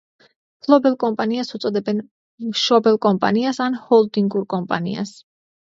მფლობელ კომპანიას უწოდებენ მშობელ კომპანიას ან ჰოლდინგურ კომპანიას.